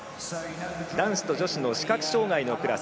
男子と女子の視覚障がいのクラス。